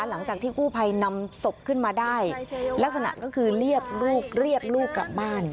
หรอกจากที่คู่ภัยนำศพขึ้นมาได้ลักษณะก็คือเรียกลูกกับบ้าน